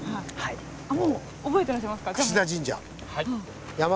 あっもう覚えてらっしゃいますか。